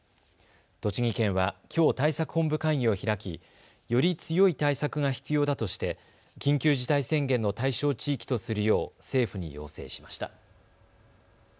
栃木県はきょう対策本部会議を開きより強い対策が必要だとして緊急事態宣言の対象地域とするよう政府に要請しました。